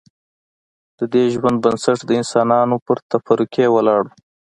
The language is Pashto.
ددې ژوند بنسټ د انسانانو پر تفرقې ولاړ و